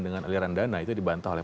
dengan aliran dana itu dibantah oleh